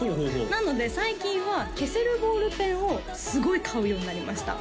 なので最近は消せるボールペンをすごい買うようになりました